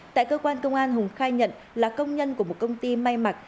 tại cơ quan công an hùng khai nhận là công nhân của một công ty may mặc